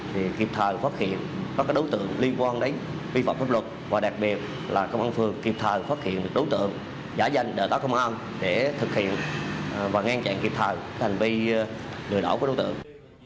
thì kịp thời phát hiện các đối tượng liên quan đến vi phạm pháp luật và đặc biệt là công an phường kịp thời phát hiện được đối tượng giả danh đại tá công an để thực hiện và ngăn chặn kịp thời hành vi lừa đảo của đối tượng